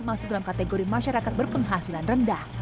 masuk dalam kategori masyarakat berpenghasilan rendah